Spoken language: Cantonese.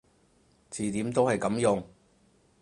詞典都係噉用